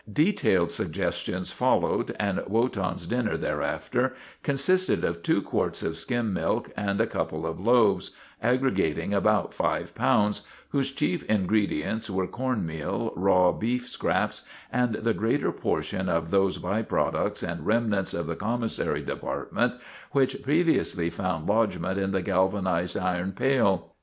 Detailed suggestions followed, and Wotan's dinner thereafter consisted of two quarts of skim milk and a couple of loaves, aggregating about five pounds, whose chief ingredients were corn meal, raw beef scraps, and the greater portion of those by products and remnants of the commissary department which previously found lodgment in the galvanized iron pail.